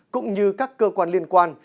cũng như các cơ quan liên quan